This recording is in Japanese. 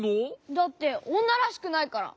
だっておんならしくないから！